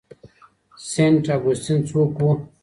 سینټ اګوستین څوک و؟